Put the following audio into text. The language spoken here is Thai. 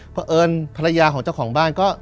เพราะเอิญภรรยาของเจ้าของบ้านก็